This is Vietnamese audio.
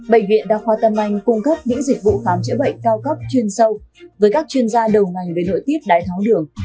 bệnh viện đa khoa tâm anh cung cấp những dịch vụ khám chữa bệnh cao cấp chuyên sâu với các chuyên gia đầu ngành về nội tiết đái tháo đường